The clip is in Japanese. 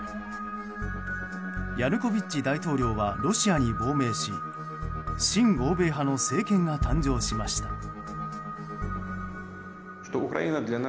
ヤヌコビッチ大統領はロシアに亡命し親欧米派の政権が誕生しました。